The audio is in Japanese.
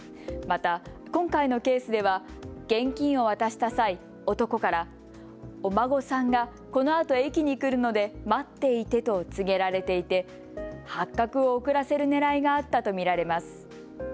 また今回のケースでは現金を渡した際、男からお孫さんがこのあと駅に来るので待っていてと告げられていて発覚を遅らせるねらいがあったと見られます。